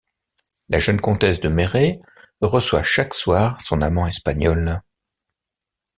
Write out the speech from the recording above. La jeune comtesse de Merret reçoit chaque soir son amant espagnol.